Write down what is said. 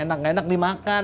emang enak enak dimakan